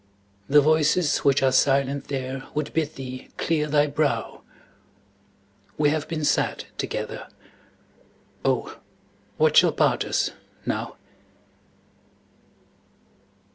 The voices which are silent there Would bid thee clear thy brow; We have been sad together. Oh, what shall part us now?